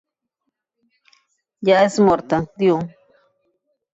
Ja és morta, diu.